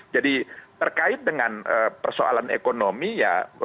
jadi terkait dengan persoalan ekonomi ya